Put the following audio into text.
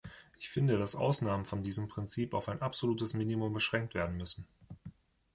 Ich finde, dass Ausnahmen von diesem Prinzip auf ein absolutes Minimum beschränkt werden müssen.